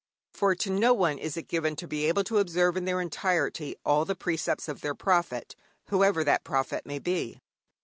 For to no one is it given to be able to observe in their entirety all the precepts of their prophet, whoever that prophet may be.